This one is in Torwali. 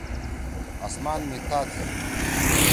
آسمان می تا تھی۔